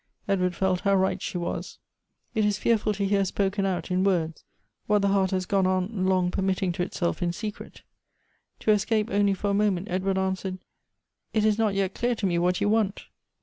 ^'^"^ ^"E^ward felt how right she wasi Tt is fearful to hear spoken out, in words, what the heart has gone on long permitting to itself in secret. To escape only for a mo ment, Edward answered, " It is not yet clear to me what you want."